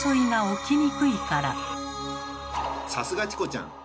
さすがチコちゃん！